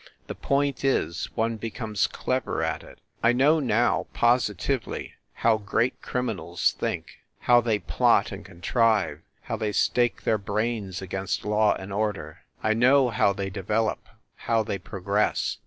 The point is, one becomes clever at it. I know now, positively, how great criminals think how they plot and contrive how they stake their brains against law and order. I know how they develop, how they progress.